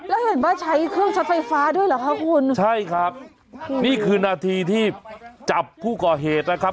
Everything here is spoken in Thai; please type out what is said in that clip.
แล้วเห็นว่าใช้เครื่องช็อตไฟฟ้าด้วยเหรอคะคุณใช่ครับนี่คือนาทีที่จับผู้ก่อเหตุนะครับ